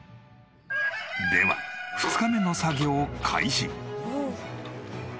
では２日目の作業開始。